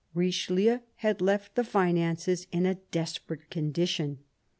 Richelieu had left the finances in a desperate condition.